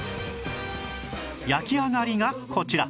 焼き上がりがこちら